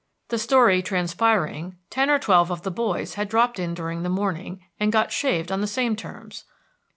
The story transpiring, ten or twelve of the boys had dropped in during the morning, and got shaved on the same terms.